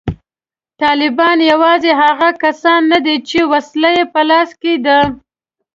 طالبان یوازې هغه کسان نه دي چې وسله یې په لاس کې ده